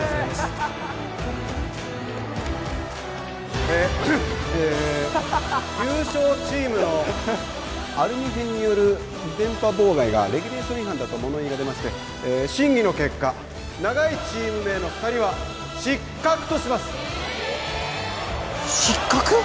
イエーイえ優勝チームのアルミ片による電波妨害がレギュレーション違反だと物言いが出まして審議の結果長いチーム名の二人は失格とします失格！？